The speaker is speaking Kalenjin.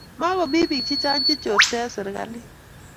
Makomii biik chechang che chorse eng serikalit